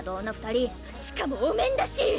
しかもお面だし！